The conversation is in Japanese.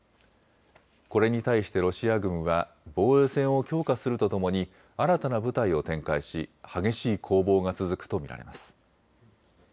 これに対してロシア軍は防衛線を強化するとともに新たな部隊を展開し激しい攻防が続くと見られます。